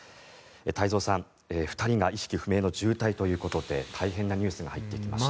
太蔵さん、２人が意識不明の重体ということで大変なニュースが入ってきました。